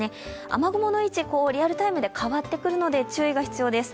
雨雲の位置、リアルタイムで変わってくるので注意が必要です。